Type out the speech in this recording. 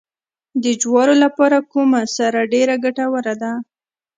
د جوارو لپاره کومه سره ډیره ګټوره ده؟